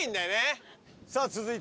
さあ続いて。